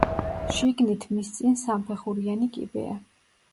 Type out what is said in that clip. შიგნითმის წინ სამფეხურიანი კიბეა.